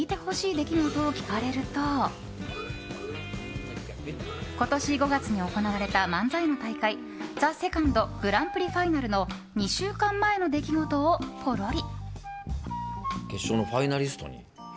出来事を聞かれると今年５月に行われた漫才の大会「ＴＨＥＳＥＣＯＮＤ」グランプリファイナルの２週間前の出来事をポロリ。